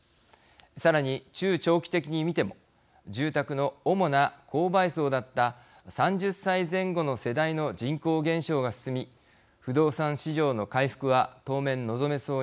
さらに中長期的に見ても住宅の主な購買層だった３０歳前後の世代の人口減少が進み不動産市場の回復は当面望めそうにありません。